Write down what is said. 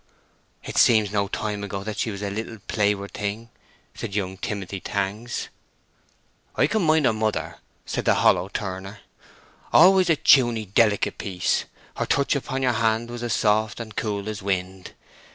"It seems no time ago that she was a little playward girl," said young Timothy Tangs. "I can mind her mother," said the hollow turner. "Always a teuny, delicate piece; her touch upon your hand was as soft and cool as wind.